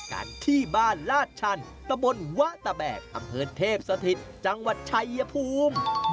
กันที่บ้านลาดชันตะบนวะตะแบกอำเภอเทพสถิตจังหวัดชัยภูมิ